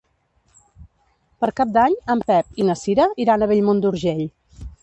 Per Cap d'Any en Pep i na Cira iran a Bellmunt d'Urgell.